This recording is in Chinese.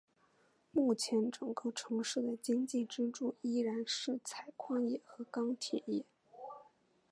目前整个城市的经济支柱依然是采矿业和钢铁业。